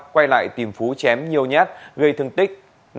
quay lại tìm phú chém nhiều nhát gây thương tích năm năm mươi bảy